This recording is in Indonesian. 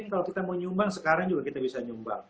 kalau kita mau nyumbang sekarang juga kita bisa nyumbang